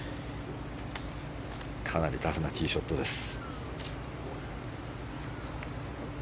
かなりタフなティーショットです。